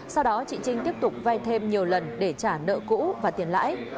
sau đó chị trinh tiếp tục vay thêm nhiều lần để trả nợ cũ và tiền lãi